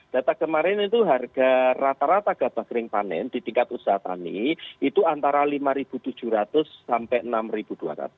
data kemarin itu harga rata rata gabah kering panen di tingkat usaha tani itu antara rp lima tujuh ratus sampai rp enam dua ratus